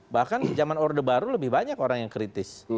bahkan zaman orde baru lebih banyak orang yang kritis